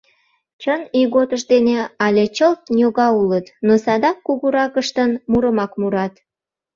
Чын, ийготышт дене але чылт ньога улыт, но садак кугуракыштын мурымак мурат.